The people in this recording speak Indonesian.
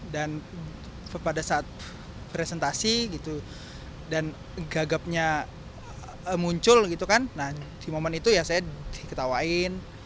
dan pada saat presentasi dan gagapnya muncul di momen itu saya diketawain